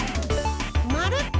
まる！